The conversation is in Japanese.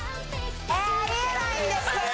ありえないんですけど。